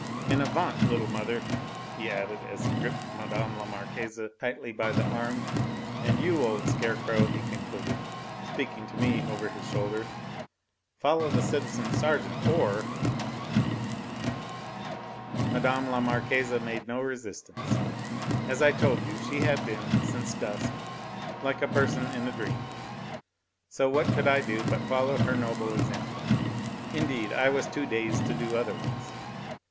En avant, little mother," he added, as he gripped Mme. la Marquise tightly by the arm, "and you, old scarecrow," he concluded, speaking to me over his shoulder, "follow the citizen sergeant, or " Mme. la Marquise made no resistance. As I told you, she had been, since dusk, like a person in a dream; so what could I do but follow her noble example? Indeed, I was too dazed to do otherwise.